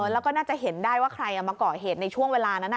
แล้วก็น่าจะเห็นได้ว่าใครมาก่อเหตุในช่วงเวลานั้น